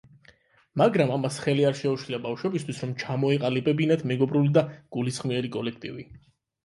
მაგრამ ამას ხელი არ შეუშლია ბავშვებისათვის რომ ჩამოეყალიბებინათ მეგობრული და გულისხმიერი კოლექტივი.